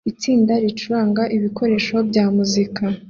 Itsinda ricuranga ibikoresho bya muzika